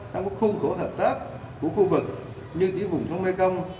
trong các khuôn khổ hợp tác của khu vực như tiểu vùng sông mekong